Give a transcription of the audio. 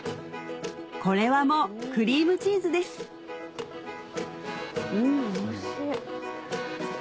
これはもうクリームチーズですうんおいしい。